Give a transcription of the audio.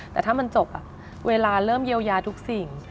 แต่ถ้ามันจบเวลาเริ่มเยียวยาทุกสิ่ง